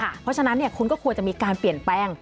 เพราะฉะนั้นคุณก็ควรจะมีการเปลี่ยนแปลง